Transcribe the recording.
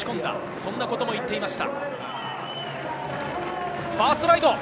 そんなことも言っていました。